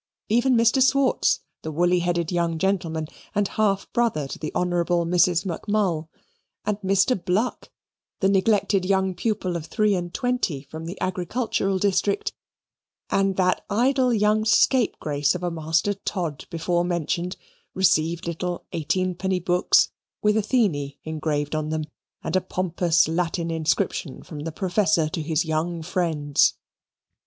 Even Mr. Swartz, the wooly headed young gentleman, and half brother to the Honourable Mrs. Mac Mull, and Mr. Bluck, the neglected young pupil of three and twenty from the agricultural district, and that idle young scapegrace of a Master Todd before mentioned, received little eighteen penny books, with "Athene" engraved on them, and a pompous Latin inscription from the professor to his young friends.